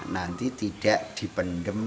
nanti tidak dipendam